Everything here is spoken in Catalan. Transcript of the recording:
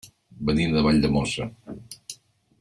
Venim de Valldemossa.